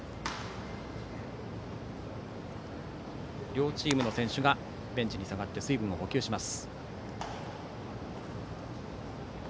両チームの選手がベンチに下がって水分を補給します。